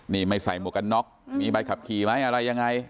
นี่ไม่ใส่หมวกกันน็อกมีใบขับขี่ไหมอะไรยังไง